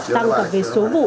tăng cả về số vụ